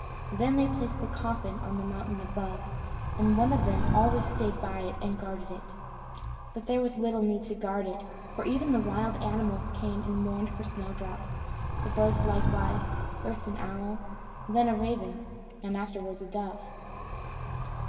Then they placed the coffin on the mountain above, and one of them always stayed by it and guarded it. But there was little need to guard it, for even the wild animals came and mourned for Snowdrop: the birds likewise first an owl, and then a raven, and afterwards a dove.